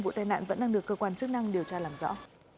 vụ tai nạn vẫn đang được cơ quan chức năng điều tra làm rõ